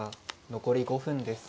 残り５分です。